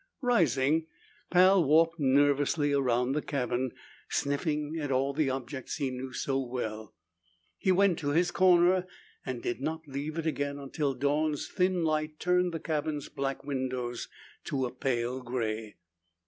Rising, Pal walked nervously around the cabin, sniffing at all the objects he knew so well. He went to his corner and did not leave it again until dawn's thin light turned the cabin's black windows to pale gray.